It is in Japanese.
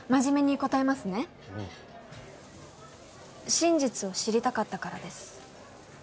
真実を知りたかったからです。